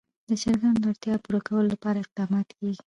د چرګانو د اړتیاوو پوره کولو لپاره اقدامات کېږي.